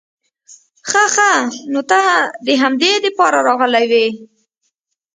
خه خه نو ته د همدې د پاره راغلې وې؟